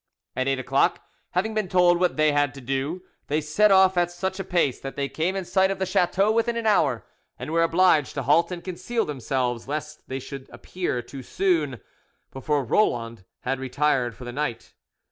At eight o'clock, having been told what they had to do, they set off at such a pace that they came in sight of the chateau within an hour, and were obliged to halt and conceal themselves, lest they should appear too soon, before Roland had retired for the night.